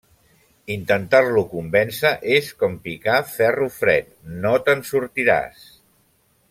Intentar-lo convèncer és com picar ferro fred. No te'n sortiràs!